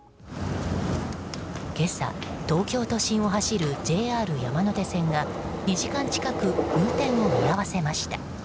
今朝、東京都心を走るＪＲ山手線が２時間近く運転を見合わせました。